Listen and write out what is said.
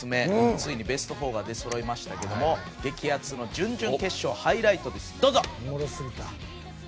ついにベスト４が出そろいましたけども激熱の準々決勝ハイライトですどうぞ！